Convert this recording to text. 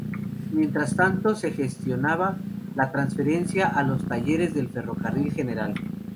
Mientras tanto, se gestionaba la transferencia a los Talleres del Ferrocarril Gral.